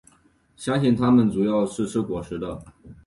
相信它们主要是吃果实。